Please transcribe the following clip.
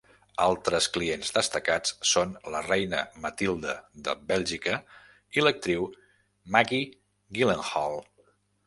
Altres clients destacats són la reina Mathilde de Bèlgica i l'actriu Maggie Gyllenhaal.